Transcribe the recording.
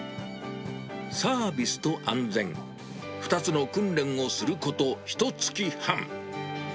サービスと安全、２つの訓練をすること、ひとつき半。